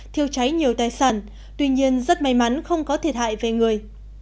thiêu cháy nhiều tài sản tuy nhiên rất may mắn không có thiệt hại về người